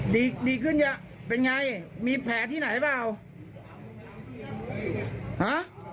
ดีดีขึ้นเยอะเป็นไงมีแผลที่ไหนเปล่าฮะ